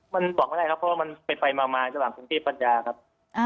มันบอกไม่ได้ครับเพราะว่ามันเป็นไฟมาม่าจากหลังคุณพี่ปัญญาครับ